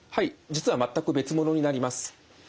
実は全く別物になります。